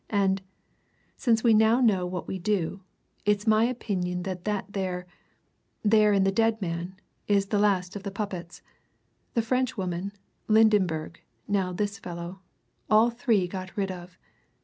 And since we now know what we do it's my opinion that there there in that dead man is the last of the puppets! The Frenchwoman Lydenberg now this fellow all three got rid of!